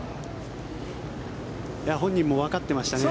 本人もわかっていましたね